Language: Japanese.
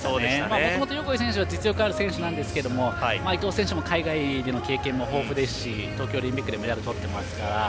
もともと横井選手は実力のある選手なんですが伊藤選手も海外の経験も豊富ですし東京オリンピックでもメダルをとっていますから。